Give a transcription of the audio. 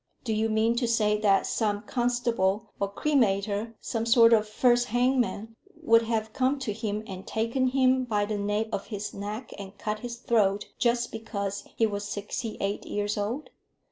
Do you mean to say that some constable or cremator, some sort of first hangman, would have come to him and taken him by the nape of his neck, and cut his throat, just because he was sixty eight years old?